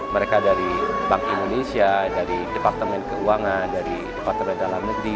mereka dari bank indonesia dari departemen keuangan dari departemen dalam negeri